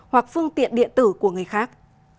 hoặc phương tiện điện tử của người khác